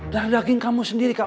dari daging kamu sendiri kak